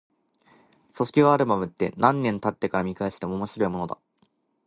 卒業アルバムって、何年経ってから見返しても面白いものだ。